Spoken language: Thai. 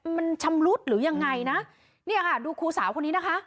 มันชำรุดหรือยังไงนะเนี่ยค่ะดูครูสาวคนนี้นะคะ